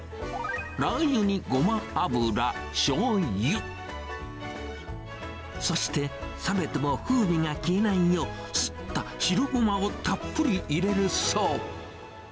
ラー油にごま油、しょうゆ、そして冷めても風味が消えないよう、すった白ごまをたっぷり入れるそう。